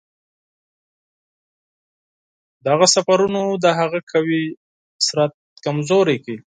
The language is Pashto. دغو سفرونو د هغه قوي بدن کمزوری کړ.